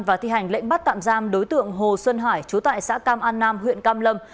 và thi hành lệnh bắt tạm giam đối tượng hồ xuân hải chú tại xã cam an nam huyện cam lâm